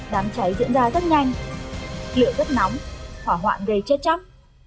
đám cháy diễn ra rất nhanh lựa rất nóng hỏa hoạn gây chết chắc